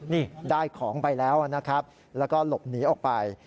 นี่ได้ของไปแล้วนะครับแล้วก็หลบหนีออกไป